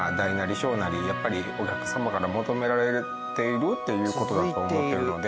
小なりやっぱりお客様から求められているっていう事だと思ってるので。